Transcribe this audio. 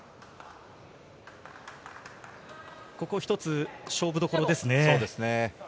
ここは一つ勝負どころですね。